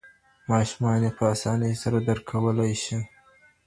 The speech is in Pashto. ماشومان یې په اسانۍ درک کولای شي.